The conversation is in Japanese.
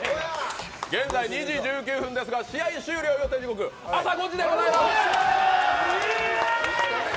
現在２時１９分ですが試合終了予定時刻朝５時でございます。